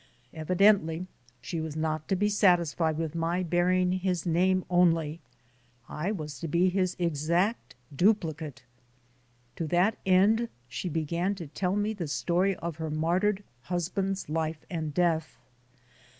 Evidently she was not to be satisfied with my bearing his name only ; I was to be his exact du plicate ! To that end she began to tell me the story of her martyred husband's life and death.